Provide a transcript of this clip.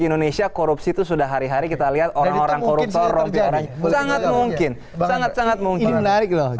indonesia korupsi itu sudah hari hari kita lihat orang orang koruptor rompi orang sangat mungkin sangat sangat mungkin menarik loh